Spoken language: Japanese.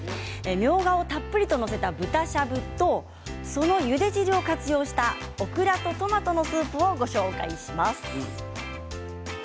みょうがをたっぷりと載せた豚しゃぶとそのゆで汁を活用したオクラとトマトのスープをご紹介します。